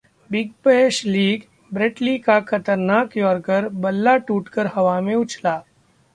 big Bash League Brett Lee की 'खतरनाक' yorker, बल्ला टूट कर हवा में उछला